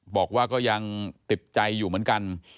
บอกว่าก็ยังติดใจอยู่เหมือนกัน